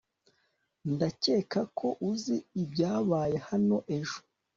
ndakeka ko uzi ibyabaye hano ejo